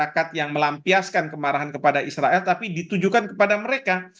masyarakat yang melampiaskan kemarahan kepada israel tapi ditujukan kepada mereka